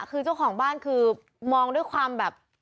คือเจ้าของบ้านคือมองด้วยความแบบ